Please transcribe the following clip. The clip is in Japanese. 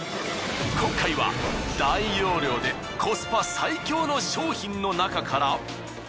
今回は大容量でコスパ最強の商品のなかから。